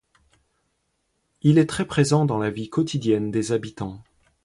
Il est très présent dans la vie quotidienne des habitants.